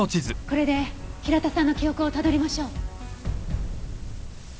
これで平田さんの記憶をたどりましょう。